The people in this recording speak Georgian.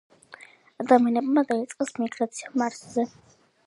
ადამიანებმა დაიწყეს მიგრაცია მარსზე.